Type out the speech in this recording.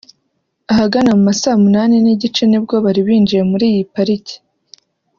Ahagana mu ma saa munani n’igice ni bwo bari binjiye muri iyi parike